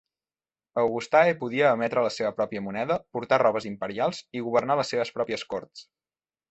Augustae podia emetre la seva pròpia moneda, portar robes imperials i governar les seves pròpies corts.